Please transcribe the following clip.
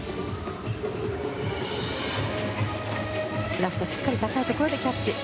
ラストも少し高いところでキャッチ。